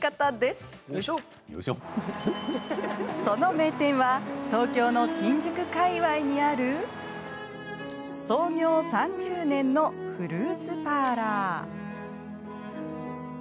その名店は東京の新宿界わいにある創業３０年のフルーツパーラー。